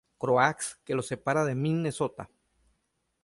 Croix, que lo separa de Minnesota.